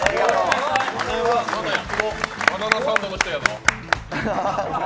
「バナナサンド」の人やぞ。